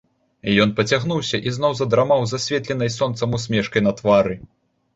Ён пацягнуўся і зноў задрамаў з асветленай сонцам усмешкай на твары.